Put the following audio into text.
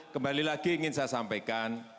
kembali lagi ingin saya sampaikan